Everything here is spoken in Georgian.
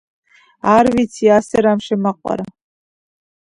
არ ვიცი, ასე რამ შემაყვარა!